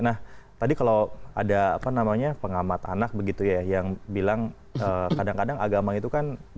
nah tadi kalau ada apa namanya pengamat anak begitu ya yang bilang kadang kadang agama itu kan